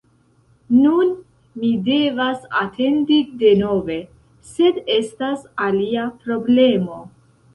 Nun mi devas atendi denove, sed estas alia problemo: